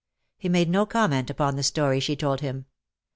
He made no comment upon the story she told him.